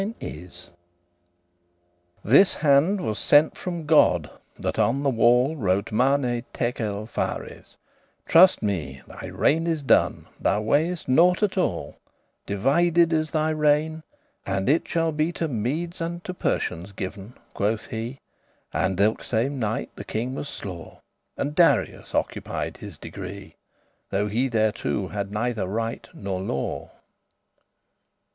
* *great punishment is prepared for thee* "This hand was sent from God, that on the wall Wrote Mane, tekel, phares, truste me; Thy reign is done; thou weighest naught at all; Divided is thy regne, and it shall be To Medes and to Persians giv'n," quoth he. And thilke same night this king was slaw* *slain And Darius occupied his degree, Though he thereto had neither right nor law.